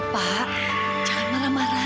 pak jangan marah marah